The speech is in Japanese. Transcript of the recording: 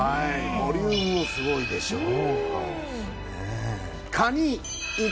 ボリュームもすごいでしょう？